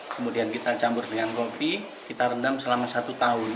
kemudian kita campur dengan kopi kita rendam selama satu tahun